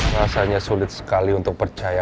rasanya sulit sekali untuk percaya